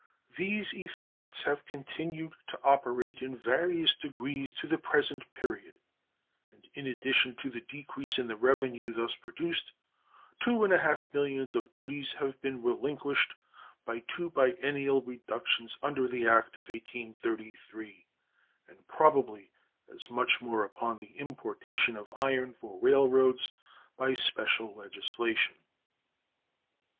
These effects have continued to operate in various degrees to the present period, and in addition to the decrease in the revenue thus produced two and a half millions of duties have been relinquished by two biennial reductions under the act of 1833, and probably as much more upon the importation of iron for railroads by special legislation.